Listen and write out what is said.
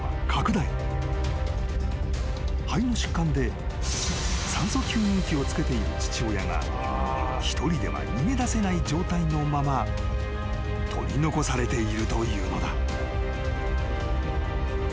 ［肺の疾患で酸素吸入器をつけている父親が一人では逃げ出せない状態のまま取り残されているというのだ］